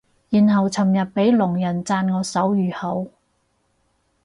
然後尋日俾聾人讚我手語好